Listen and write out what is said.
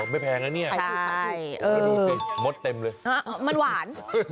ไม่แพงนะเนี่ยดูสิมดเต็มเลยมันหวาน